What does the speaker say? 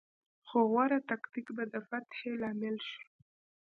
خو غوره تکتیک به د فتحې لامل شو.